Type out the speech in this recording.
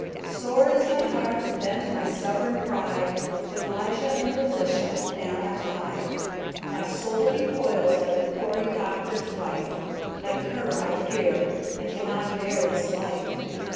Sore is my heart and bent my stubborn pride, With Lijah and with Lisha am I tied, My soul recoyles like Cora Doctor's Wife, Like her I feer I cannot bare this life.